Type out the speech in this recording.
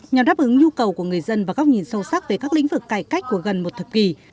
nhằm đáp ứng nhu cầu của người dân và góc nhìn sâu sắc về các lĩnh vực cải cách của gần một thập kỷ